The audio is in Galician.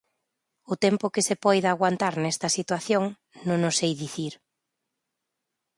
O tempo que se poida aguantar nesta situación, non o sei dicir.